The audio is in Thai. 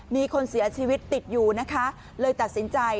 มีคนเสียชีวิตติดอยู่นะคะเลยตัดสินใจ